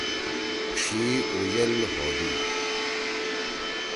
ڇھی اُیل ہودُو۔